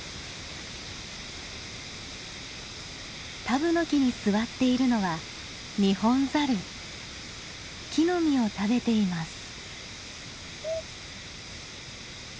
タブノキに座っているのは木の実を食べています。